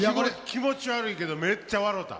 気持ち悪いけどめっちゃ笑た。